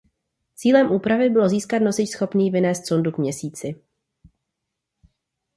Cílem úpravy bylo získat nosič schopný vynést sondu k Měsíci.